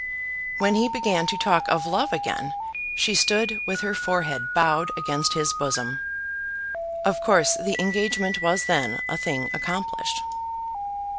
When he began to talk of love again, she stood with her forehead bowed against his bosom. Of course the engagement was then a thing accomplished.